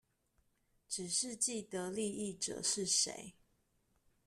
只是既得利益者是誰